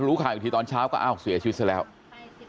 รู้ค่ะอีกทีตอนเช้าก็อ้าวเสียชีวิตซะแล้วไปสิบ